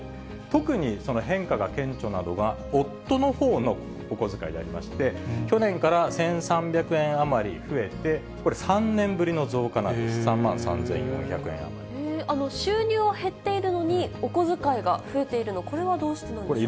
特に変化が顕著なのが、夫のほうのお小遣いでありまして、去年から１３００円余り増えて、これ、３年ぶりの増加なんです、３万収入は減っているのに、お小遣いが増えているの、これはどうしてなんでしょうか。